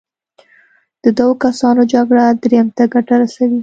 د دوو کسانو جګړه دریم ته ګټه رسوي.